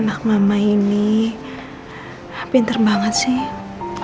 anak mama ini pinter banget sih